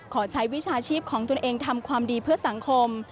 ขอใช้วิชาชีพของตัวเองทำความดีเพื่อสังคม